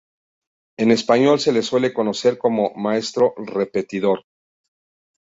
En español se le suele conocer como maestro repetidor.